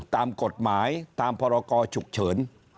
ตามกฎหมายตามพรกรฉุกเฉิน